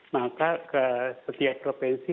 maka ke setiap provinsi